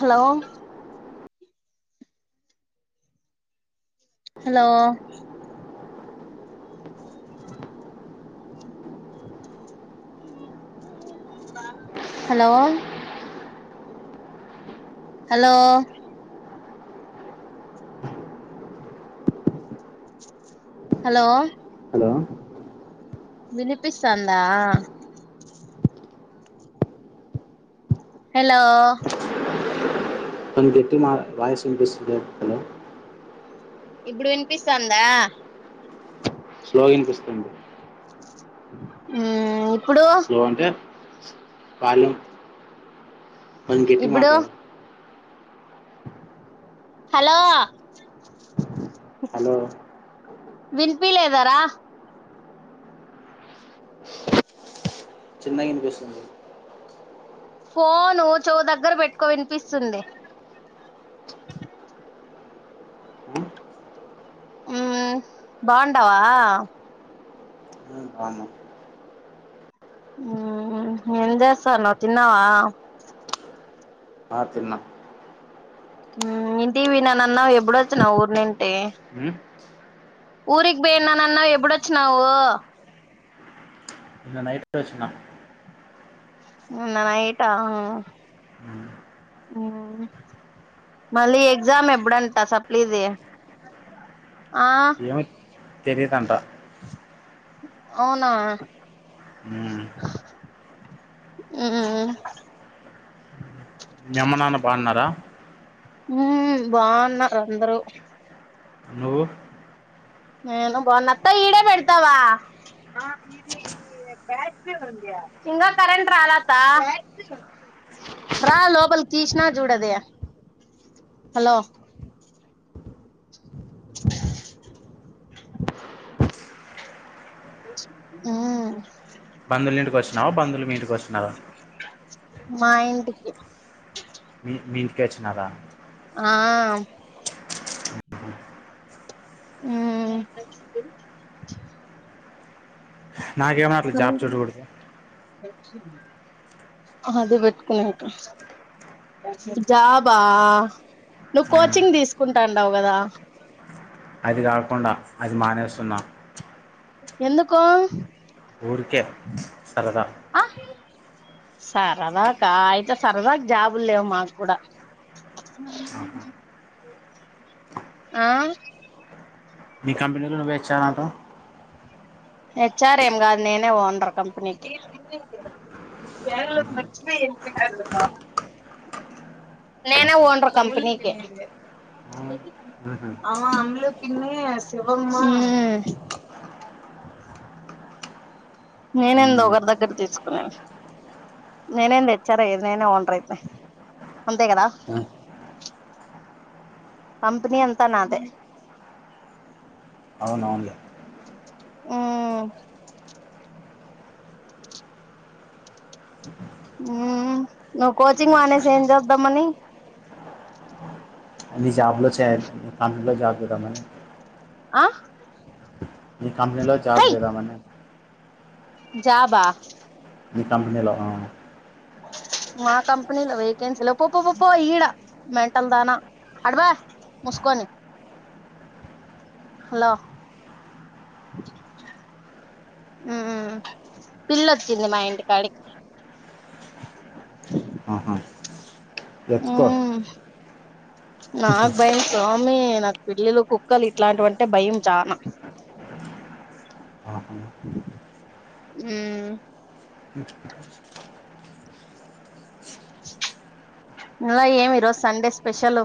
Hello hello hello hello hello hello వినిపిస్తందా hello తనికి గట్టి మా రాయస్ [unintelligible] ఇంపస్ ఇప్పుడు వినిపిస్తందా స్లోగ వినిపిస్తుంది ఉం ఇప్పుడు [unintelligible] ఎ అంటే వాళ్ళం మనం గట్టి ఇప్పుడు మాట్లాడ హలో హలో విన్పియాలేదారా చిన్నగా వినిపిస్తుంది ఫోను చేవు దగ్గర పెట్టుకో వినిపిస్తుంది ఆ? బావుండావా ఆ బాగున్న ఉం ఏం చేస్తానావు తిన్నావా ఆ తిన్నా ఉం ఇంటి పోయినను అన్నావ్ ఎప్పుడొచ్చినాన్ ఊరినింటే ఉం ఊరికి పోయయిన్నాన్న ఎపూడొచ్చునావు నిన్న నైట్ కే వచ్చిన నిన్న నైట్ ఆ ఉమ్, మళ్ళీ ఎగ్జామ్ ఎప్పుడంటా సప్లీది ఆ తెలిదంట అవునా ఉమ్, మ్ మీ అమ్మ నాన్న బాన్నారా మ్ బాన్నారు అందరూ నువ్వు నేను బాన్న అత్త ఈడే పెడతావా ఇంగ కరెంట్ రాలే అత్త రా లోపల తీస్నా జూడది హలో మ్ బంధువులు ఇంటికి వచ్చినవా బంధులు మీ ఇంటికొచ్చినర మా ఇంటికి మీ మీ ఇంటికే వచ్చినారా ఆ ఉమ్ నాకేమ అదే బెట్టుకుని ఇంక జాబా నువ్వు ఉమ్, కోచింగ్ తీసుకుంటాండవ్ కదా అది కాకుండా అది మానేస్తున్నా ఎందుకు ఊరికే సరదా అ సరదాకా అయితే సరదక్ జాబుల్లేవు మాకు కూడా ఆహా. ఆ మీ కంపెనీలో నువ్వె హెచ్ఆర్ అంట హెచ్ఆర్ ఏం కాదు నేనే ఓనర్ కంపెనీకి పెరలు మర్చిపోయి ఎళ్ళిపోయిన్నారు నేనే ఓన్రు కంపెనీకి ఆహా అ అమ్ములు పిన్ని శివమ్మా మ్ బ్యాలెన్స్ నేను ఎంది ఒకరి దగ్గర తీసుకునేది నేనేంది హెచ్చార్ అయేది నేనే ఓనర్ అయిత అంతే కదా కంపెనీ అంతా నాదే అవునవునులే ఉమ్ మ్ నువ్వు కోచింగ్ మానేసి ఏం చేద్దామని నీ జాబ్లో చేయలి అందులో జాబ్ చేద్దామని అ నీ కంపెనీలో జాబ్ చేద్దామని జాబ మీ కంపెనీలో ఆ మా కంపెనీలో వెకెన్సీ లేవ్ పో పో పో ఈడ మెంటల్ దానా అటు పో ముసుకొని హలో ఉమ్ పిల్లొచ్చింది మా ఇంటికాడికి ఆహా ఎత్తుకో మ్మ్ నాకు భయం స్వామి నాకు పిల్లులు, కుక్కలు ఇట్లాంటివంటే భయం చానా. ఆహా. ఉమ్. అ నువే ఏమి రోజు సండే స్పెషలు.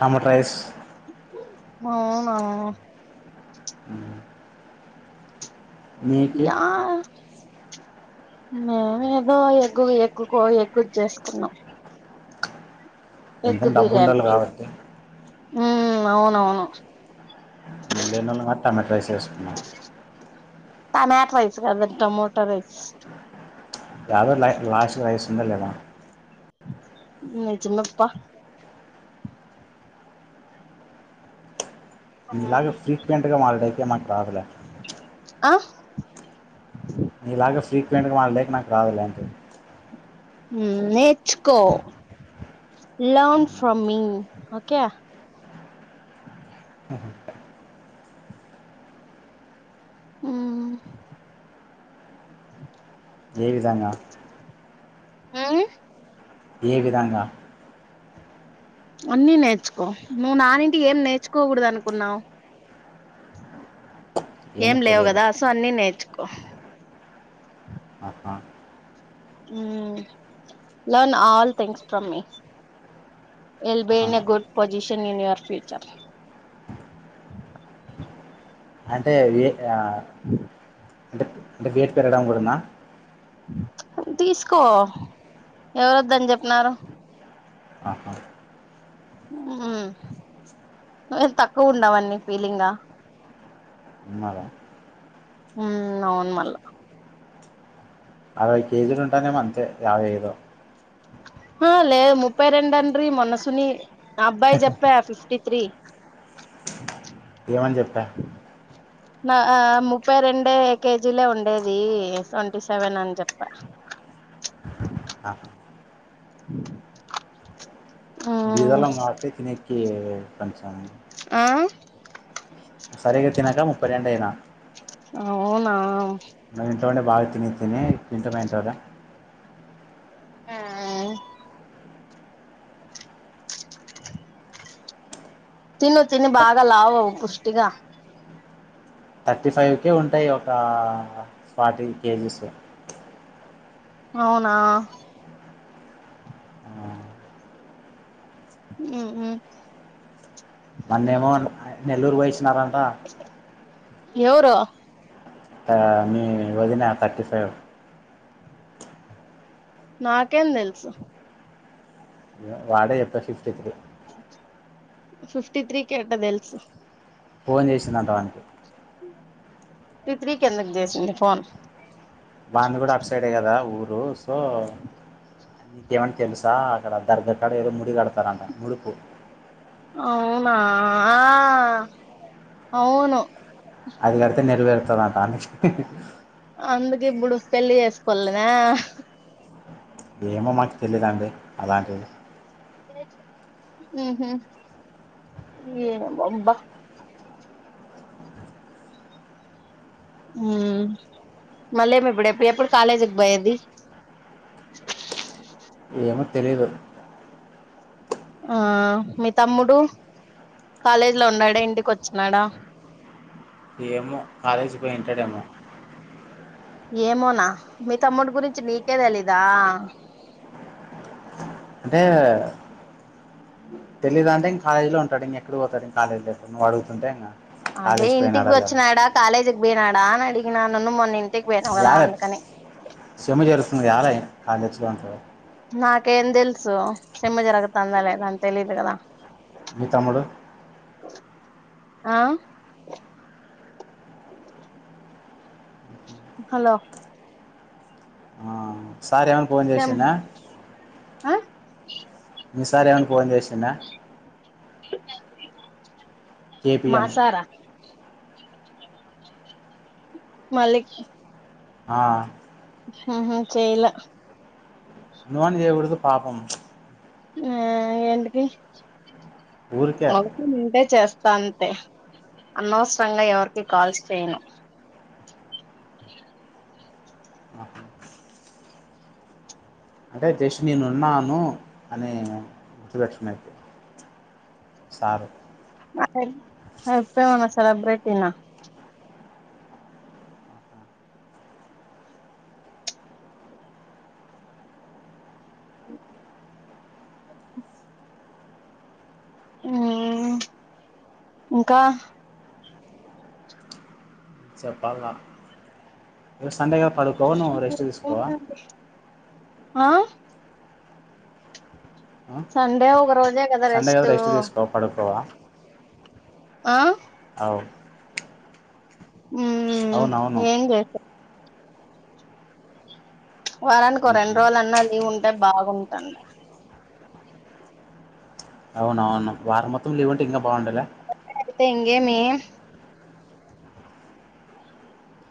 Tomato rice. అవునా. మ్మ్. నీకు య. మేము ఏదో ఎగ్గూ ఎగ్గూకో ఎగ్గూ చేసుకున్నాం. ఎంత ఎగ్గు డబ్బు బిర్యానీ. ఉండాలి కాబట్టి ఉ అవునవును. మేం లేనోళ్ళం కాబట్టి. ట్యామాటో రైస్ చేసుకున్నాం. ట్యమాట రైస్ కాదది టొమోటో రైస్. యాదొ లే లాస్ట్ లో రైస్ ఉందా లేదా. నిజమబ్బా. మీలాగ ఫ్రీక్వెంట్గా మాట్లాడుడైతే మాకు రాదులే. ఆ. నీ ఇలాగ ఫ్రీక్వెంట్గా మాట్లాడుడే నాకు రాదులే అంటున్న. ఉ నేర్చుకో. Learn from me. ఓకే అహ. ఉ. ఏ విధంగా. ఉమ్. ఏ విధంగా. అన్నీ నేర్చుకో. నువ్వు నానింటికి ఏం నేర్చుకోకూడదు అనుకున్నావు. ఏం ఏమీ లేవు తెలియదు కదా. సో అన్నీ నేర్చుకో. ఆహా. Learn all things from me. ఎల్బిన్ ఆహా. A good position in your future. అంటే. అంటే అంటే వేట్ పెరగడం కూడాన. తీసుకో ఎవరు వద్దని చెప్పినారు. ఆహా. ఉ వేట్ తక్కువున్నవని నీ ఫీలింగ్ ఆ. మాదా. ఊ అవున్ మల్ల. అరవై కేజీలు ఉంటానేమో అంతే. యాభై ఐదో. ఆ లేదు ముప్పై రెండ డ్రీ మొన్నసుని అబ్బాయి చెప్పా ఫిఫ్టీ త్రీ. యేమని చెప్పా. నా ఆ ముప్పై రెండే కేజీలే ఉండేది. ట్వంటీ సెవెన్ అని చెప్పా. ఆ. బీదోళ్ళం కాబట్టి తిన్నెకి కొంచెం. ఆ. సరిగా తినక ముప్పై రెండైయినా. అవునా నేను చూడ్లేదా తిని తిని తింటూనేఉంటదా ఆ తిను తిని బాగా లావు అవ్వు పుష్టిగా థర్టీ ఫైవ్కే ఉంటాయి ఒక ఫార్టీ కేజీస్ అవునా ఉ మొన్న ఏమో నెల్లూరు పోయిచ్చినారంట యేరు ఆ మీ వదిన థర్టీ ఫైవ్ నాకేం తెల్సు వాడే చెప్తాడు ఫిఫ్టీ త్రి ఫిఫ్టీ త్రీకి ఎట్టా తెల్సు ఫోన్ చేసింది అంటా ఆన్కి ఫిఫ్టీ తిత్రికి ఎందుకు చేసింది ఫోన్ దంది కూడా అటు్సైడే కదా ఊరు సో నీకేమనా తెల్స అక్కడ దర్గకాడ ఏదో ముడి గడతారంట ముడుపు అవునా అవును అది కడితే నెరవేరుతాదంట ఆమెకి అందుకే ఇప్పుడు పెళ్లి చేస్కోలేనా ఏమో మాకు తెలీదండి అలాంటిది ఉహ్మ్ ఏన అబా మళ్ళీమి ఇప్పుడు ఎప్పుడు కాలేజీకి పోయేది ఏమో తెలీదు ఆ మీ తమ్ముడు కాలేజ్లో ఉన్నాడా ఇంటికి వచ్చినాడ ఏమో కాలేజీకి పోయింటాడేమో ఏమోనా మీ తమ్ముడి గురించి నీకే తెలీదా అంటే తెలీయదఅంటే కాలేజ్లో ఉంటాడు ఇంకా ఎక్కడ పోతడు కాలేజలో నువ్అడుగుతుంటే అన్న అదే ఇంటికి వచ్చినాడా కాలేజీకి పోయినాడా అని అడిగినా నన్ను మొన్న ఇంటికి పోయినావు కదా అందుకని సేము జరుగుతుంది ఆలే కాలేజ్ తెచ్చుకోంత నాకేం తెల్సు సేము జరగతందో లేదని తెలిదు కదా మీ తమ్ముడు ఆ హలో ఆ, సార్ ఏమన ఫోన్ సెమ్ చేసిండా ఆ మీ సార్ ఏమైనా ఫోన్ చేసిండ కేపిఎం మాసారా మలి ఆ ఆహ చెయ్లా నో అని చేయకూడదు పాపం ఆ ఏంటికి ఊరికే [unintelligible] ఇంటే చేస్తా అంతే అనవసరంగా ఎవరికి కాల్స్ చేయను [unintelligible] అంటే జస్ట్ నేను ఉన్నాను అని [unintelligible] సార్ [unintelligible] సెలబ్రిటీన ఇంకా చెప్పాల [unintelligible] ఆ ఆ? సండే ఒగ రోజే సండే కద రెస్ట్ తీసుకో పడుకోవ ఆ అవ్ అవునవును [unintelligible] వారానికి ఒక రెండు ఉహు. రోజులన్న లీవ్ ఉంటే బాగుంటుంది అవున అవును వారం మొత్తం లీవ్ంటే ఇంకా బాగుండాల అయితే ఇంగేమీ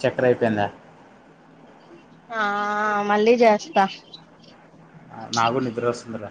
చక్ర అయిపోయిందా ఆ మళ్ళీ చేస్త నాగూడ నిద్ర వస్తుందిర